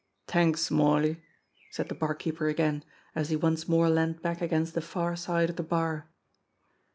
"T'anks, Smarly!" said the barkeeper again, as he once more leaned back against the far side of the bar.